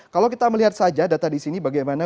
kalau kita melihat saja data di sini bagaimana